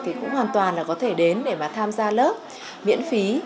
thì cũng hoàn toàn là có thể đến để mà tham gia lớp miễn phí